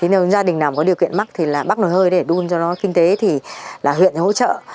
nếu gia đình nào có điều kiện mắc thì là bắt nồi hơi để đun cho nó kinh tế thì là huyện hỗ trợ